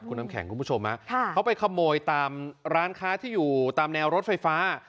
คุณน้ำแข็งคุณผู้ชมเขาไปขโมยตามร้านค้าที่อยู่ตามแนวรถไฟฟ้า